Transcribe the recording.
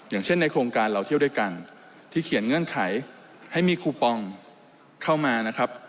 อย่างเช่นในโครงการเราเที่ยวด้วยกันที่เขียนเงื่อนไขให้มีคูปองเข้ามานะครับ